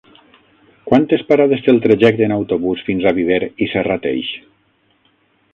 Quantes parades té el trajecte en autobús fins a Viver i Serrateix?